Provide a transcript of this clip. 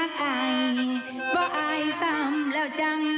ไอควลุจริงแล้วมั้ง